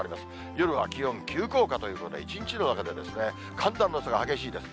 夜は気温、急降下ということで、一日の中で寒暖の差が激しいです。